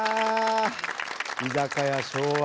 「居酒屋『昭和』」